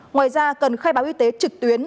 ngoài ra cần khai báo y tế trực tuyến